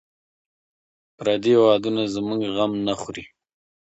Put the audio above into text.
پردي هېوادونه زموږ غم نه خوري.